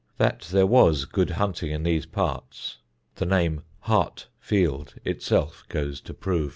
That there was good hunting in these parts the name Hartfield itself goes to prove.